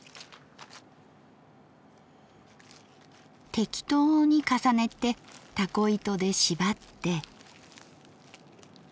適当に重ねてたこ糸で縛って。